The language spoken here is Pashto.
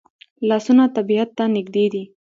لاسونه طبیعت ته نږدې دي